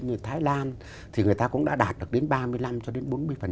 ở hải lan thì người ta cũng đã đạt được đến ba mươi năm cho đến bốn mươi